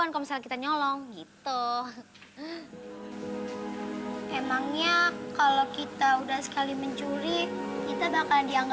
nabrak nabrak orang liat tau disini ada orang